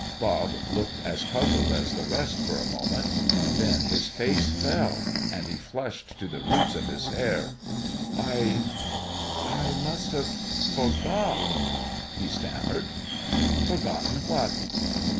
Bob looked as puzzled as the rest, for a moment. Then his face fell, and he flushed to the roots of his hair. "I I must have forgot" he stammered. "Forgotten what?"